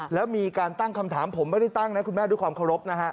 แล้วมีการตั้งคำถามผมไม่ได้ตั้งนะคุณแม่ด้วยความเคารพนะฮะ